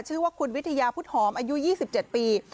ชื่อว่าคุณวิทยาพุทธหอมอายุ๒๗ปี